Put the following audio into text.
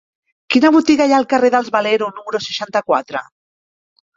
Quina botiga hi ha al carrer dels Valero número seixanta-quatre?